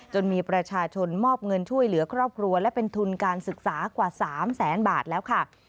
จนมีประชาชนมอบเงินช่วยเหลือครอบครัวและเป็นทุนการศึกษากว่า๓แสนบาทแล้วค่ะ